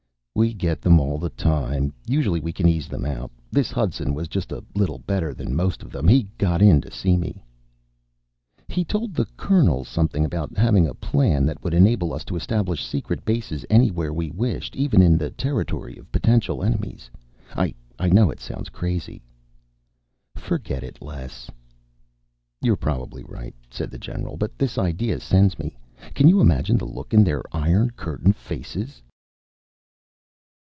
"We get them all the time. Usually we can ease them out. This Hudson was just a little better than the most of them. He got in to see me." "He told the colonel something about having a plan that would enable us to establish secret bases anywhere we wished, even in the territory of potential enemies. I know it sounds crazy...." "Forget it, Les." "You're probably right," said the general, "but this idea sends me. Can you imagine the look on their Iron Curtain faces?"